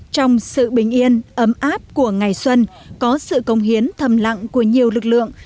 trong sự bình yên ấm áp của ngày xuân có sự công hiến thầm lặng của nhiều lực lượng